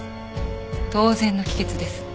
当然の帰結です。